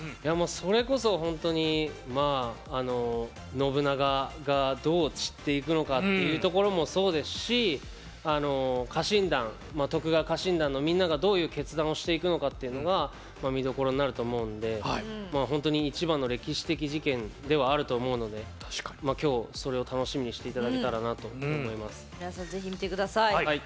それこそ本当に信長がどう散っていくのかというところもそうですし徳川家臣団のみんながどういう決断をしていくかというのも見どころになると思うので本当に一番の歴史的事件ではある思うのでそれを楽しみにしていただけたらなと皆さんぜひ見てください。